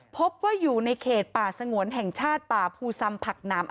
พบว่าอยู่ในเขตป่าสงวนแห่งชาติป่าภูซำผักหนาม